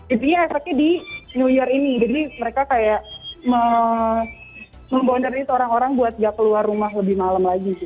intinya akhirnya di new year ini jadi mereka kayak memponder di seorang orang buat nggak keluar rumah lebih malam lagi gitu